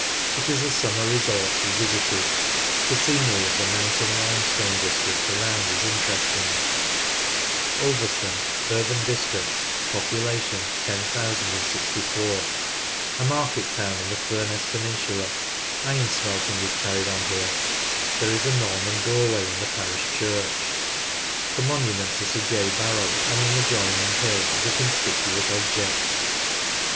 It is a summer resort for visitors. The scenery of the Mountain Limestone district around is interesting, (p. 61.) Ulverston, U.D. (10,064). A market town in the Furness peninsula. Iron smelting is carried on here. There is a Norman doorway in the parish church. The monument to Sir J. Barrow on an adjoining hill is a conspicuous object.